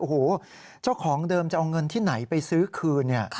โอ้โหเจ้าของเดิมจะเอาเงินที่ไหนไปซื้อคืนเนี่ย